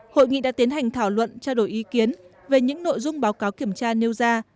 hội nghị đã tiến hành thảo luận trao đổi ý kiến về những nội dung báo cáo kiểm tra nêu ra